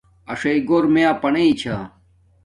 اݽی گھور مے اپناݵ چھا